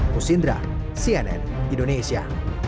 musindra cnn indonesia